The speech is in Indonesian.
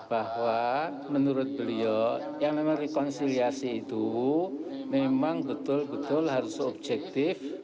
bahwa menurut beliau yang memang rekonsiliasi itu memang betul betul harus objektif